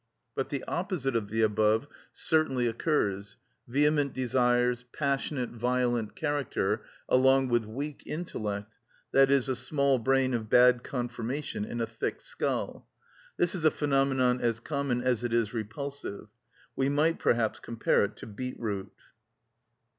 But the opposite of the above certainly occurs: vehement desires, passionate, violent character, along with weak intellect, i.e., a small brain of bad conformation in a thick skull. This is a phenomenon as common as it is repulsive: we might perhaps compare it to beetroot.